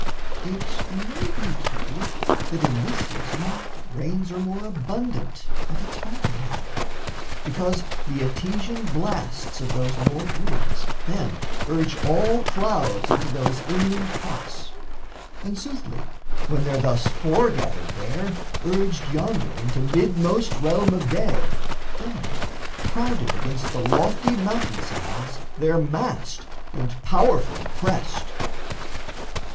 It may be, too, that in this season rains Are more abundant at its fountain head, Because the Etesian blasts of those northwinds Then urge all clouds into those inland parts. And, soothly, when they're thus foregathered there, Urged yonder into midmost realm of day, Then, crowded against the lofty mountain sides, They're massed and powerfully pressed.